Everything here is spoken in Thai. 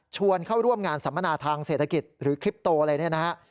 ชวนเข้าร่วมงานสัมมนาทางเศรษฐกิจหรือคลิปโตอะไรเนี่ยนะฮะ